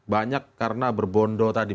banyak karena berbondo tadi